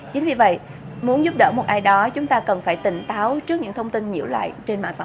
chính vì vậy muốn giúp đỡ một ai đó chúng ta cần phải tỉnh táo trước những thông tin nhiễu lại trên mạng xã hội